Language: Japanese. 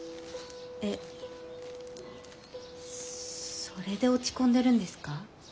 えっそれで落ち込んでるんですか？